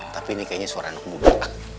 tapi ini kayaknya seorang anak muda